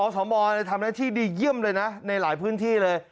สมทำหน้าที่ดีเยี่ยมเลยนะในหลายพื้นที่เลย